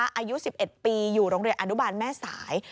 อายุ๑๑ปีอยู่โรงเรียนอนุบาลแม่สาย